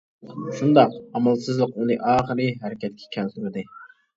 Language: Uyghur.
شۇنداق ئامالسىزلىق ئۇنى ئاخىرى ھەرىكەتكە كەلتۈردى.